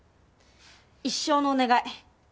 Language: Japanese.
一生のお願い。